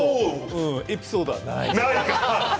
エピソードはない。